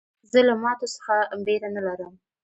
زه له ماتو څخه بېره نه لرم.